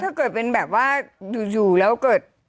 ถ้าเกิดเป็นแบบว่าอยู่แล้วเกิด